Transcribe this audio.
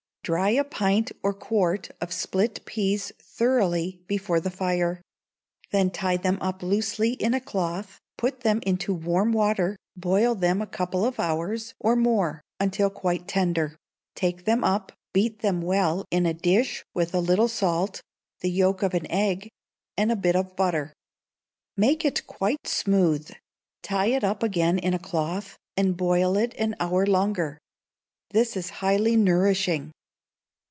Dry a pint or quart of split peas thoroughly before the fire; then tie them up loosely in a cloth, put them into warm water, boil them a couple of hours, or more, until quite tender; take them up, beat them well in a dish with a little salt, the yolk of an egg, and a bit of butter. Make it quite smooth, tie it up again in a cloth, and boil it an hour longer. This is highly nourishing.